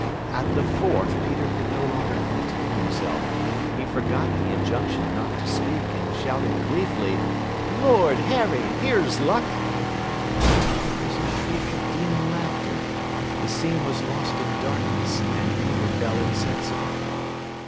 At the fourth Peter could no longer contain himself. He forgot the injunction not to speak, and shouted gleefully, "Lord Harry! Here's luck!" There was a shriek of demon laughter, the scene was lost in darkness, and Peter fell insensible.